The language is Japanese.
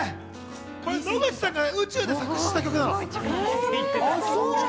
これ野口さんが宇宙で作詞した曲なの。